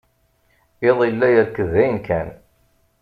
Iḍ yella yerked dayen kan.